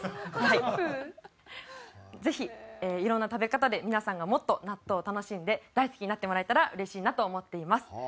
ぜひ色んな食べ方で皆さんがもっと納豆を楽しんで大好きになってもらえたら嬉しいなと思っています。